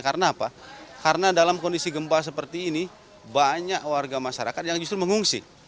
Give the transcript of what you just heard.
karena apa karena dalam kondisi gempa seperti ini banyak warga masyarakat yang justru mengungsi